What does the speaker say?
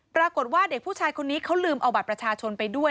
ปรากฏว่าเด็กผู้ชายคนนี้เขาลืมเอาบัตรประชาชนไปด้วย